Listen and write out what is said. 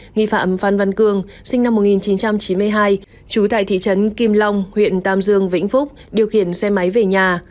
nghi phạm phan văn cường sinh năm một nghìn chín trăm chín mươi hai trú tại thị trấn kim long huyện tam dương vĩnh phúc điều khiển xe máy về nhà